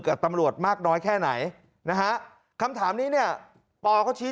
กับตำรวจมากน้อยแค่ไหนนะฮะคำถามนี้เนี่ยปอเขาชี้